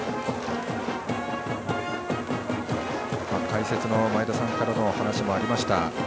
解説の前田さんからの話もありました。